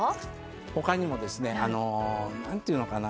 他にもですね何ていうのかな